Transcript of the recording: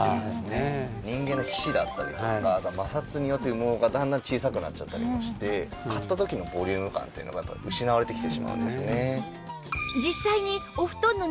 人間の皮脂だったりとか摩擦によって羽毛がだんだん小さくなっちゃったりとかして買った時のボリューム感っていうのがやっぱり失われてきてしまうんですよね。